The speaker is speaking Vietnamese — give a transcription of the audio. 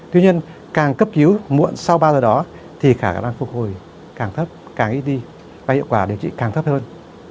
tuy nhiên càng cấp cứu muộn sau ba giờ đó thì khả năng phục hồi càng thấp càng đi và hiệu quả điều trị càng thấp hơn